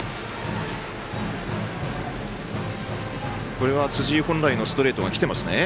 これは辻井本来のストレートがきてますね。